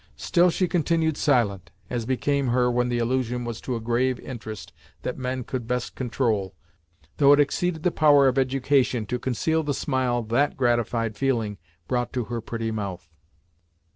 Still she continued silent, as became her when the allusion was to a grave interest that men could best control, though it exceeded the power of education to conceal the smile that gratified feeling brought to her pretty mouth.